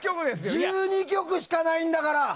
１２曲しかないんだから！